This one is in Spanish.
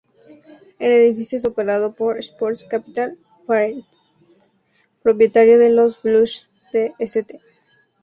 El edificio es operada por Sports Capital Partners, propietario de los Blues de St.